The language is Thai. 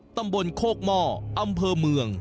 ตำบลโคกหม้ออำเภอเมือง